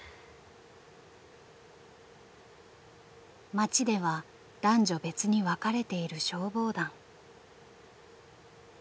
町では男女別に分かれている消防団。